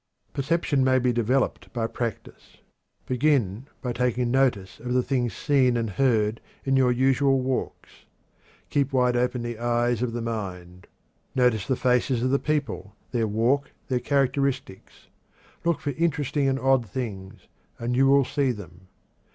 Perception may be developed by practice. Begin by taking notice of the things seen and heard in your usual walks. Keep wide open the eyes of the mind. Notice the faces of people, their walk, their characteristics. Look for interesting and odd things, and you will see them.